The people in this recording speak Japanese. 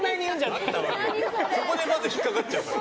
そこでまず引っかかっちゃうから。